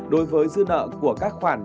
đối với dư nợ của các khoản